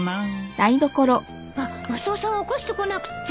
あっマスオさんを起こしてこなくっちゃ。